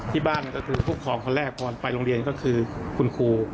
ที่บ้านก็คือผู้ครองคนแรกตอนไปโรงเรียนก็คือคุณครู